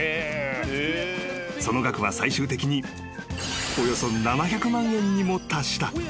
［その額は最終的におよそ７００万円にも達した］